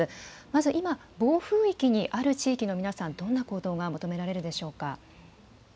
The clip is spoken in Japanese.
まず今、暴風域にある地域の皆さん、どんなことが求められるでしょうか。